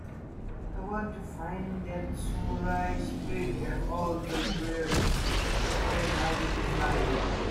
I want to find that 'Samurai Spirit' that all the players can identify with.